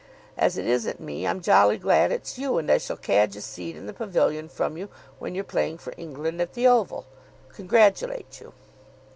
As it isn't me, I'm jolly glad it's you; and I shall cadge a seat in the pavilion from you when you're playing for England at the Oval. Congratulate you."